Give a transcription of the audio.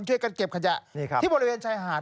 ช่วยกันเก็บขยะที่บริเวณชายหาด